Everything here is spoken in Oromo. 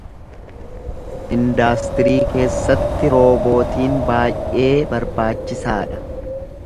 Indaastirii keessatti roobootiin baay'ee barbaachisaadha.